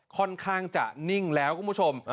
ค่อนข้างจะนิ่งแล้วคุณผู้ชม